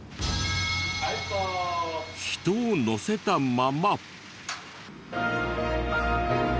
人を乗せたまま。